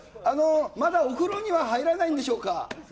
まだお風呂には入らないんでしょうか。